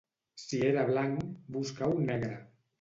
Si era blanc, busca-ho negre.